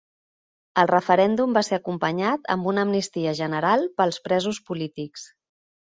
El referèndum va ser acompanyat amb una amnistia general pels presos polítics.